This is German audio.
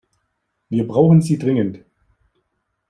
Wir brauchen sie dringend!